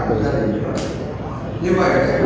tôi thấy đây là một cái lạc lạc